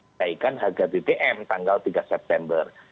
kenaikan harga bbm tanggal tiga september